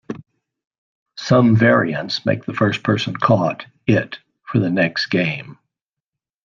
Some variants make the first person caught "It" for the next game.